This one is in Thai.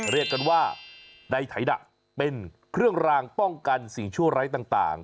เรียกกันว่าในไถดะเป็นเครื่องรางป้องกันสิ่งชั่วร้ายต่าง